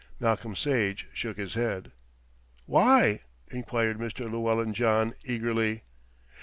Malcolm Sage shook his head. "Why?" enquired Mr. Llewellyn John eagerly.